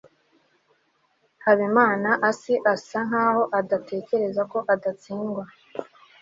habimanaasi asa nkaho atekereza ko adatsindwa